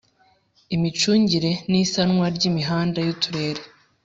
Imicungire n isanwa ry imihanda y uturere